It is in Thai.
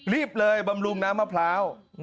รีบเลยบำรุงน้ำมะพร้าว